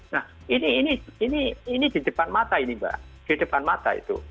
nah ini di depan mata ini mbak di depan mata itu